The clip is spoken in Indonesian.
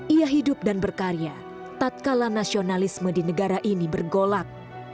ia hidup dan berkarya tak kala nasionalisme di negara ini bergolak